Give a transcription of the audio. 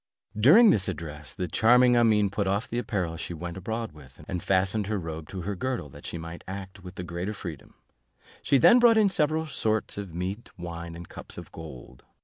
During this address, the charming Amene put off the apparel she went abroad with, and fastened her robe to her girdle that she might act with the greater freedom; she then brought in several sorts of meat, wine, and cups of gold.